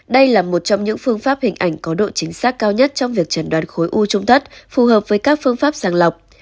đây là một trong những phương pháp hình ảnh có độ chính xác cao nhất trong việc chẩn đoán khối u trung thất phù hợp với các phương pháp sàng lọc